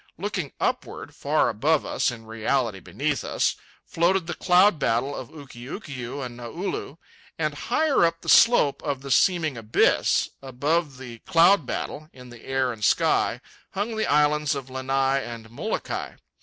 Looking upward, far above us (in reality beneath us) floated the cloud battle of Ukiukiu and Naulu. And higher up the slope of the seeming abyss, above the cloud battle, in the air and sky, hung the islands of Lanai and Molokai.